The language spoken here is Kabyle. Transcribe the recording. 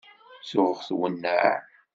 Tuɣ twennaε.